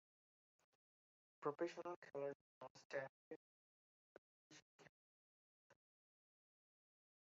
Professional খেলার জন্য, স্ট্যাম্পে টেলিভিশন ক্যামেরা লাগানো থাকে।